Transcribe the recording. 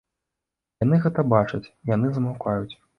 Яны гэта бачаць, і яны замаўкаюць.